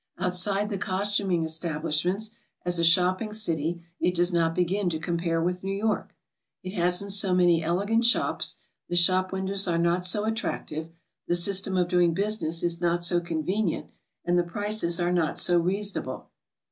Outside the costuming esftablish ments, as a shopping city it does not begin to compare with New York. It hasn't so many elegant shops, the shop win dows are not so attractive, the system of doing business is not so convenient, and the prices are not so reasonable.